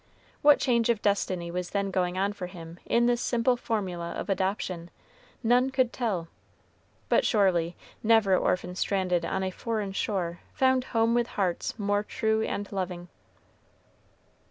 What change of destiny was then going on for him in this simple formula of adoption, none could tell; but, surely, never orphan stranded on a foreign shore found home with hearts more true and loving.